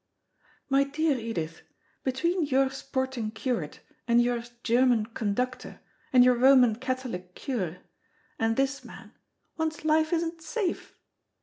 "My dear Edith, between your sporting curate, and your German conductor, and your Roman Catholic cure, and this man, one's life isn't safe."